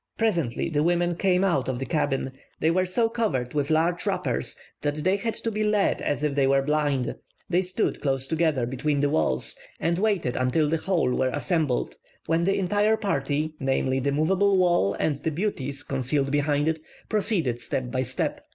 Presently the women came out of the cabin; they were so covered with large wrappers that they had to be led as if they were blind. They stood close together between the walls, and waited until the whole were assembled, when the entire party, namely, the moveable wall and the beauties concealed behind it, proceeded step by step.